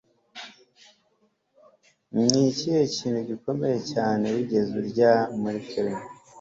ni ikihe kintu gikomeye cyane wigeze urya muri firime